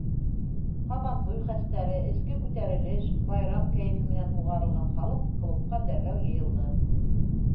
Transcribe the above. Һабантуй хәстәре, эске күтәрелеш, байрам кәйефе менән һуғарылған халыҡ клубҡа дәррәү йыйылды.